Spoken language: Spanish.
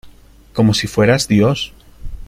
como si fueras Dios.